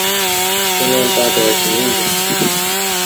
现任巴德学院讲师。